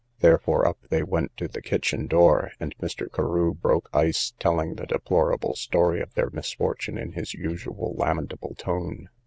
Therefore up they went to the kitchen door, and Mr. Carew broke ice, telling the deplorable story of their misfortune in his usual lamentable tone.